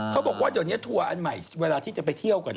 เขาบอกว่าเดี๋ยวนี้ทัวร์อันใหม่เวลาที่จะไปเที่ยวกัน